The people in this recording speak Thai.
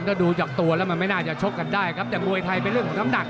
ถ้าดูจากตัวแล้วมันไม่น่าจะชกกันได้ครับแต่มวยไทยเป็นเรื่องของน้ำหนัก